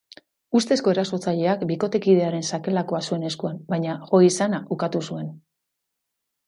Ustezko erasotzaileak bikotekidearen sakelakoa zuen eskuan, baina jo izana ukatu zuen.